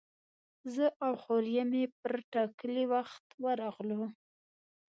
زه او خوریی مې پر ټاکلي وخت ورغلو.